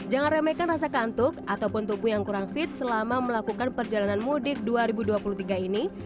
jangan remehkan rasa kantuk ataupun tubuh yang kurang fit selama melakukan perjalanan mudik dua ribu dua puluh tiga ini